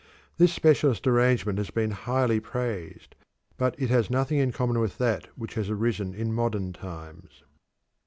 This specialist arrangement has been highly praised, but it has nothing in common with that which has arisen in modern times.